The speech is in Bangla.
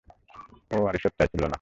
ও আর এইসব চাইছিলো না।